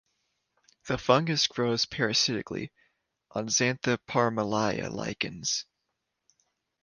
The fungus grows parasitically on "Xanthoparmelia" lichens.